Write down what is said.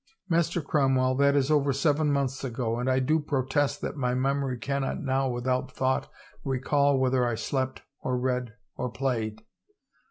Master Cromwell, that is over seven months ago and I do protest that my memory cannot now without thought recall whether I slept or read or played.